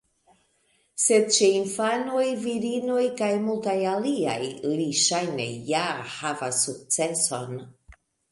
Sed ĉe infanoj, virinoj kaj multaj aliaj, li ŝajne ja havas sukceson.